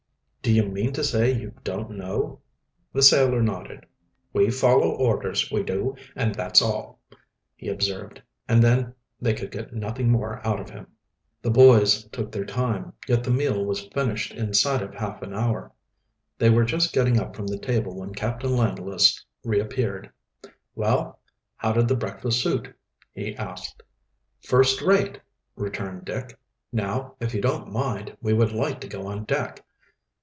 "Do you mean to say you don't know?" The sailor nodded. "We follow orders, we do, and that's all," he observed, and then they could get nothing more out of him. The boys took their time, yet the meal was finished inside of half an hour. They were just getting up from the table when Captain Langless reappeared. "Well, how did the breakfast suit?" he asked. "First rate," returned Dick. "Now, if you don't mind, we would like to go on deck."